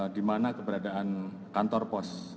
di mana keberadaan kantor pos